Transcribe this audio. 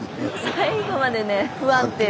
最後までね不安定。